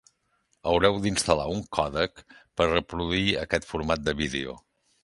Haureu d'instal·lar un còdec per reproduir aquest format de vídeo.